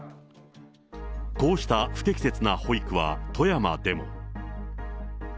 こうした不適切な保育は富山でも。